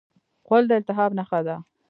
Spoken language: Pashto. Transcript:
غول د التهاب نښه ده.